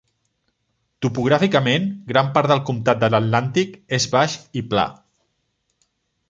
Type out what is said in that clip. Topogràficament, gran part del comtat de l'Atlàntic és baix i pla.